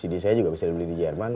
cd saya juga bisa dibeli di jerman